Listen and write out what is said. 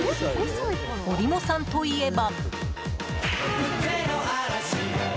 おりもさんといえば。